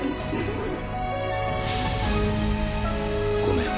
ごめん。